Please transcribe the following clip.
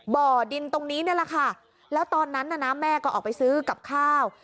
บ่อดินตรงนี้นี่แหละค่ะแล้วตอนนั้นน่ะนะแม่ก็ออกไปซื้อกับข้าว